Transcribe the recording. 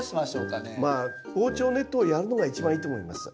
防鳥ネットをやるのが一番いいと思います。